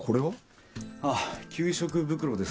ああ給食袋です。